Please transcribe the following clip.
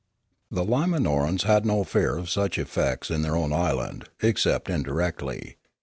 The Limanorans had no fear of such effects in their own island, except indirectly.